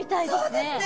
そうですね。